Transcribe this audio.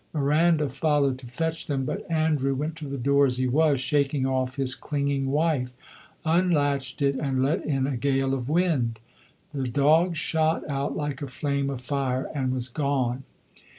Miranda followed to fetch them; but Andrew went to the door as he was, shaking off his clinging wife, unlatched it and let in a gale of wind. The dog shot out like a flame of fire and was gone.